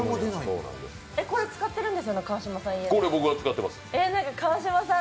これ使ってるんですよね、家で川島さん？